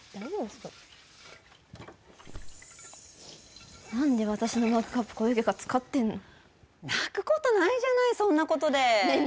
ちょっと何で私のマグカップ小雪が使ってんの泣くことないじゃないそんなことでねえ